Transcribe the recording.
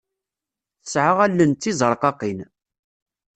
Tesɛa allen d tizerqaqin.